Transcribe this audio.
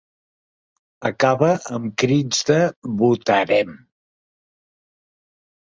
Acaba amb crits de ‘votarem’.